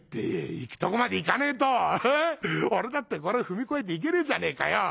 行くとこまで行かねえと俺だってこれ踏み越えて行けねえじゃねえかよ。